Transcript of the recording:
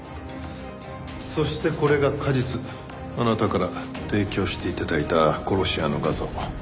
そしてこれが過日あなたから提供して頂いた殺し屋の画像。